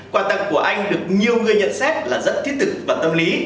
quả tầng của anh được nhiều người nhận xét là rất thiết thực và tâm lý